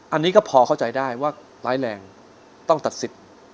อันนี้ก็พอเข้าใจได้ว่าร้ายแรงต้องตัดสิทธิ์